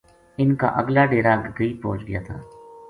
ان کا اگلا ڈیرا گگئی پوہچ گیا تھا